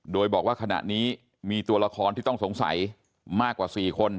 โดยบอกว่าขณะนี้มีตัวละครที่ต้องสงสัยมากกว่า๔คน